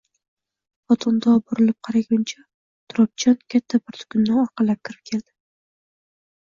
Xotin to burilib qaraguncha Turobjon katta bir tugunni orqalab kirib keldi.